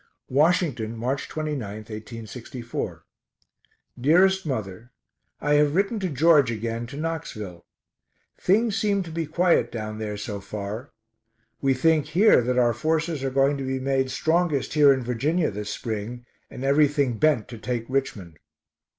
VIII Washington, March 29, 1864. DEAREST MOTHER I have written to George again to Knoxville. Things seem to be quiet down there so far. We think here that our forces are going to be made strongest here in Virginia this spring, and every thing bent to take Richmond.